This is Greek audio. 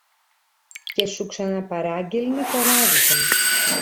και σου ξαναπαράγγελνε καράβια